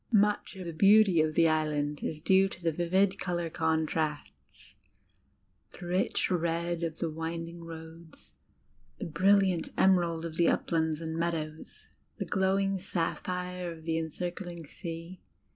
Much of the beauty of the Island is due to the vivid colour contrasts the rich red of the winding roads, the brilliant emerald of the uplands and meadows, the glowing sapphire of the encircling sea.